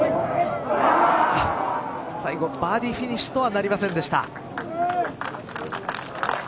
最後バーディーフィニッシュとはなりませんでした。